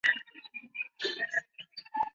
森林微蟹蛛为蟹蛛科微蟹蛛属的动物。